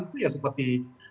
itu ya seperti